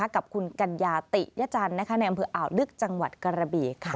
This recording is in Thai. กับคุณกัญญาติยจันทร์ในอำเภออ่าวลึกจังหวัดกระบีค่ะ